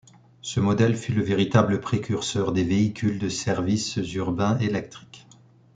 Ce modèle fut le véritable précurseur des véhicules de services urbains électriques.